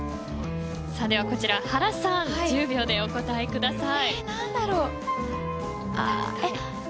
こちら、原さん１０秒でお答えください